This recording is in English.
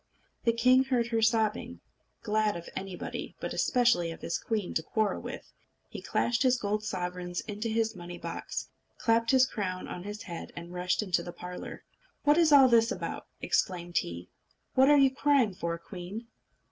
The king heard her sobbing. Glad of anybody, but especially of his queen, to quarrel with, he clashed his gold sovereigns into his money box, clapped his crown on his head, and rushed into the parlour. "What is all this about?" exclaimed he. "What are you crying for, queen?"